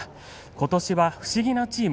ことしは不思議なチーム。